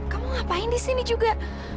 kamu ngapain di sini juga